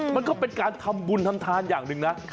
มันก็เป็นการทำบุญทำทานอย่างหนึ่งนะ